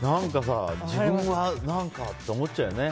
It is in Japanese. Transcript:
自分は何かって思っちゃうよね。